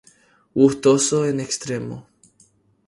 Gustosos en extremo